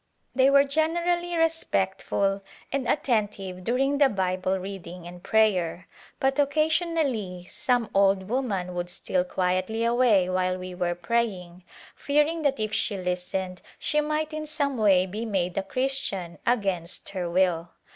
They were generally respectful and at tentive during the Bible reading and prayer, but oc casionally some old woman would steal quietly away while we were praying, fearing that if she listened she might in some way be made a Christian against her will.